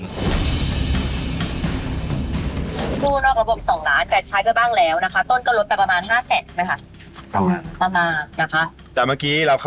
กู้นอกอุบพุทธ๒๘๘๐๐๐บาทใช้ก็บ้างแล้วนะคะ